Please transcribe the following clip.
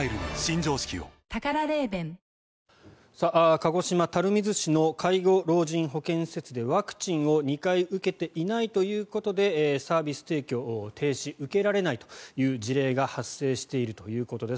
鹿児島垂水市の介護老人保健施設でワクチンを２回受けていないということでサービス提供停止受けられないという事例が発生しているということです。